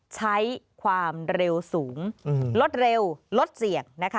ใช้ความเร็วสูงลดเร็วลดเสี่ยงนะคะ